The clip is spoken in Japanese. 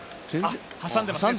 挟んでいますね。